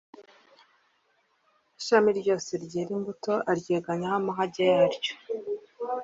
«Ishami ryose ryera imbuto, aryanganyaho amahage yaryo,